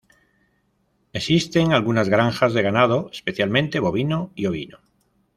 Existen algunas granjas de ganado, especialmente bovino y ovino.